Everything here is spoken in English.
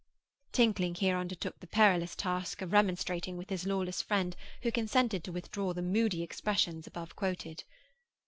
Tinkling here undertook the perilous task of remonstrating with his lawless friend, who consented to withdraw the moody expressions above quoted.